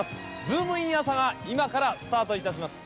『ズームイン‼朝！』が今からスタートいたします。